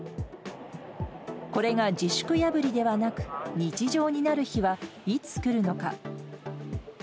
これが自粛破りではなく、日常になる日はいつ来るのか。